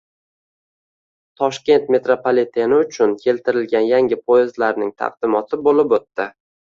Toshkent metropoliteni uchun keltirilgan yangi poyezdlarning taqdimoti bo‘lib o‘tdi